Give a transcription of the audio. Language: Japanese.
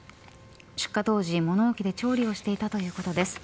出火当時、物置で調理をしていたということです。